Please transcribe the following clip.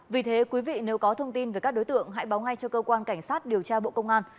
vì thế quý vị nếu có thông tin về các đối tượng hãy báo ngay cho cơ quan cảnh sát điều tra bộ công an